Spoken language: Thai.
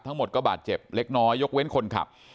ทั้งหมดก็บาดเจ็บเล็กน้อยยกเว้นคนขับ